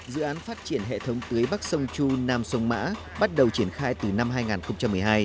dự án phát triển hệ thống tưới bắc sông chu nam sông mã bắt đầu triển khai từ năm hai nghìn một mươi hai